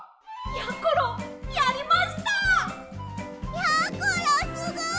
やころすごい！